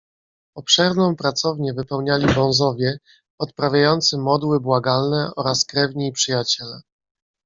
"Obszerną pracownię wypełniali bonzowie, odprawiający modły błagalne, oraz krewni i przyjaciele."